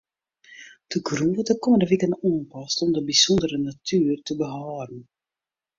De grûn wurdt de kommende wiken oanpast om de bysûndere natuer te behâlden.